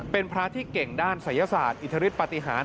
เป็นพระที่เก่งด้านศัยศาสตร์อิทธิฤทธปฏิหาร